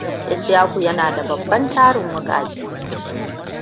Ishaku yana da babban tarin wukake.